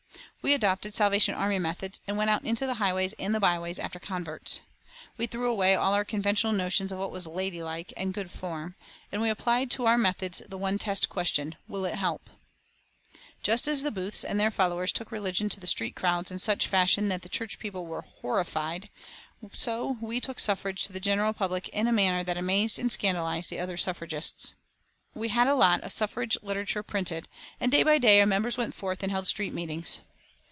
We adopted Salvation Army methods and went out into the highways and the byways after converts. We threw away all our conventional notions of what was "ladylike" and "good form," and we applied to our methods the one test question, Will it help? Just as the Booths and their followers took religion to the street crowds in such fashion that the church people were horrified, so we took suffrage to the general public in a manner that amazed and scandalised the other suffragists. We had a lot of suffrage literature printed, and day by day our members went forth and held street meetings.